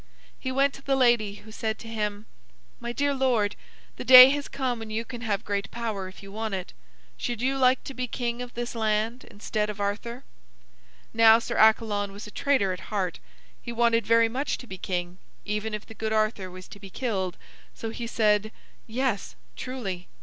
He went to the lady, who said to him: "My dear lord, the day has come when you can have great power if you want it. Should you like to be king of this land, instead of Arthur?" Now Sir Accalon was a traitor at heart. He wanted very much to be king, even if the good Arthur was to be killed; so he said: "Yes, truly."